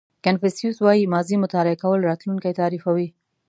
کانفیوسیس وایي ماضي مطالعه کول راتلونکی تعریفوي.